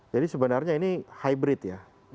jadi sebenarnya ini hybrid ya